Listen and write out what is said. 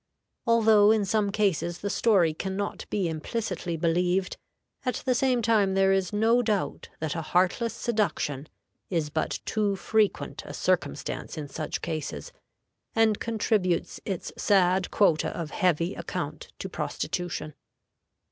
Although in some cases the story can not be implicitly believed, at the same time there is no doubt that a heartless seduction is but too frequent a circumstance in such cases, and contributes its sad quota of heavy account to prostitution.